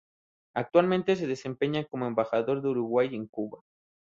Actualmente se desempeña como embajador de Uruguay en Cuba.